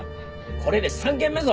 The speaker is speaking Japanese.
これで３軒目ぞ。